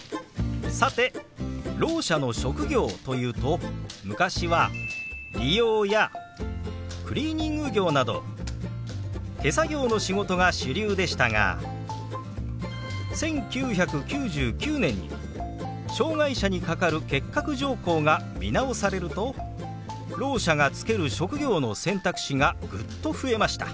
さてろう者の職業というと昔は理容やクリーニング業など手作業の仕事が主流でしたが１９９９年に「障害者に係る欠格条項」が見直されるとろう者が就ける職業の選択肢がぐっと増えました。